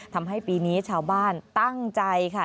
ทำให้ปีนี้ชาวบ้านตั้งใจค่ะ